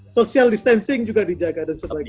social distancing juga dijaga dan sebagainya